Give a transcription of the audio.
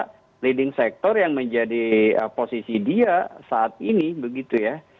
ada leading sector yang menjadi posisi dia saat ini begitu ya